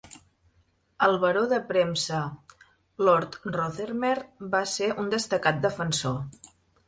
El baró de premsa Lord Rothermere va ser un destacat defensor.